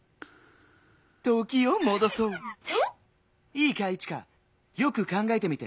いいかいイチカよくかんがえてみて。